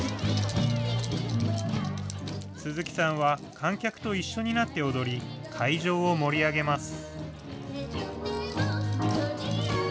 鈴木さんは観客と一緒になって踊り、会場を盛り上げます。